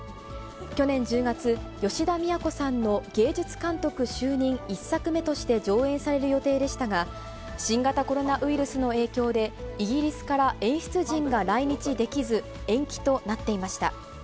去年１０月、吉田都さんの芸術監督就任１作目として上演される予定でしたが、新型コロナウイルスの影響で、イギリスから演出陣が来日できず、延期となっていました。